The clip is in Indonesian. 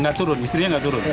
nggak turun istrinya nggak turun